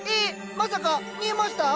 まさか見えました？